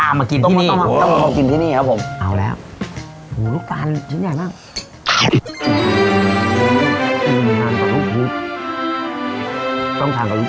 มื้อเร็ว